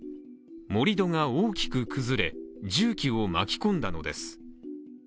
盛り土が大きく崩れ重機を巻き込んだのです。